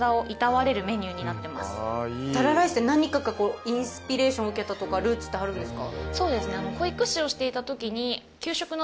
タラライスって何かインスピレーションを受けたとかルーツってあるんですか？